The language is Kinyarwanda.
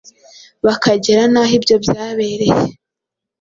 bakagera n’aho ibyo byabereye